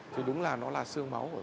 thì đúng là nó là sương màu